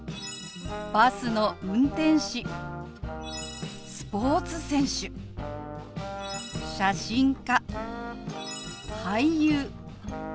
「バスの運転士」「スポーツ選手」「写真家」「俳優」